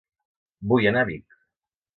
Vull anar a Vic